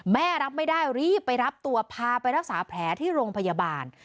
รับไม่ได้รีบไปรับตัวพาไปรักษาแผลที่โรงพยาบาล